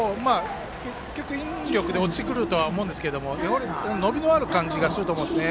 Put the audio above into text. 引力で落ちてくるとは思うんですけど伸びのある感じがすると思います。